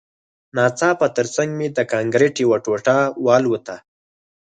ناڅاپه ترڅنګ مې د کانکریټ یوه ټوټه والوته